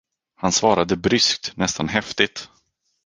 Han svarade bryskt, nästan häftigt.